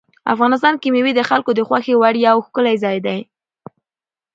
افغانستان کې مېوې د خلکو د خوښې وړ یو ښکلی ځای دی.